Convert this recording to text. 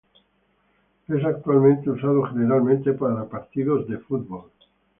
Es actualmente usado generalmente para partidos de fútbol.